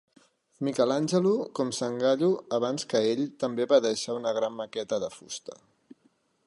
Michelangelo, com Sangallo abans que ell, també va deixar una gran maqueta de fusta.